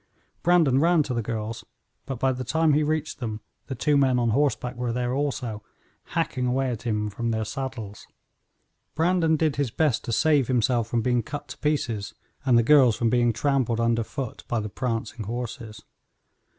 Brandon ran to the girls, but by the time he reached them the two men on horseback were there also, hacking away at him from their saddles. Brandon did his best to save himself from being cut to pieces and the girls from being trampled under foot by the prancing horses.